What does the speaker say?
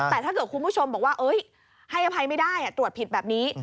แต่ถ้าเกิดคุณผู้ชมบอกว่าให้อภัยไม่ได้ตรวจผิดแบบนี้